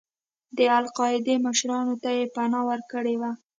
د القاعدې مشرانو ته یې پناه ورکړې وه.